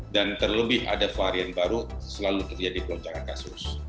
dan terlebih ada varian baru selalu terjadi pelancaran kasus